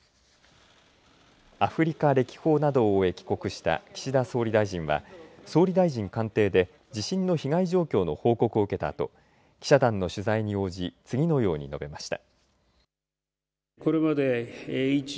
アフリカ歴訪などを終え帰国した岸田総理大臣は総理大臣官邸で地震の被害状況の報告を受けたあと記者団の取材に応じ次のように述べました。